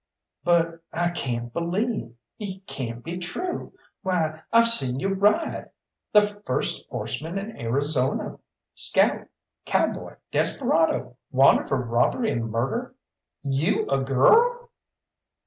"But I can't believe it can't be true. Why, I've seen you ride the first horseman in Arizona, scout, cowboy, desperado, wanted for robbery and murder you a girl!"